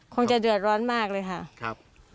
คงจะเดือดร้อนมากเลยค่ะ